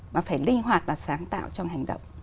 mà phải linh hoạt và sáng tạo trong hành động